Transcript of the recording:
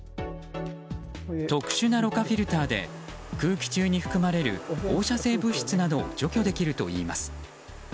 特殊な、ろ過フィルターで空気中に含まれる放射性物質などを除去できるといいます。